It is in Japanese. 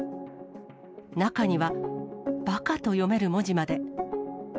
中には、バカと読める文字まで。